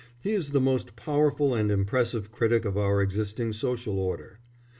He is the most powerful and impressive critic of our existing social order.